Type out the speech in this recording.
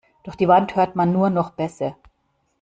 Durch die Wand hört man nur noch Bässe.